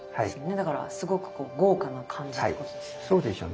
だからすごく豪華な感じとかですよね。